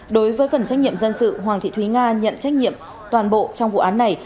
đối với phần trách nhiệm dân sự hoàng thị thúy nga nhận trách nhiệm toàn bộ trong vụ án này